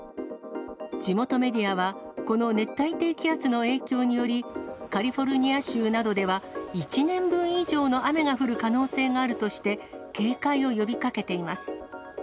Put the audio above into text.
地元メディアは、この熱帯低気圧の影響により、カリフォルニア州などでは１年分以上の雨が降る可能性があるとして、警戒を呼びかけています。